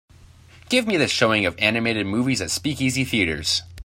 Give me the showing of animated movies at Speakeasy Theaters